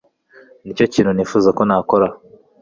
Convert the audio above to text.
Nicyo kintu nifuza ko nakora.